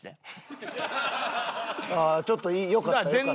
ちょっと良かった良かった。